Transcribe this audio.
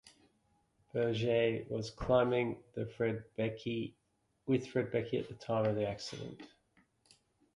Berge was climbing with Fred Beckey at the time of the accident.